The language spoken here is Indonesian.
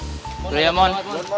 udah ya mon